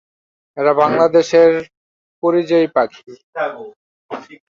এরা বাংলাদেশের পরিযায়ী পাখি।